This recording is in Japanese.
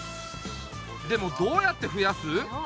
でもどうやってふやす？